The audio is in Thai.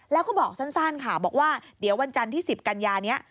แล้วก็บอกสั้นค่ะบอกว่าเดี๋ยววันจันทร์ที่๑๐กันยานี้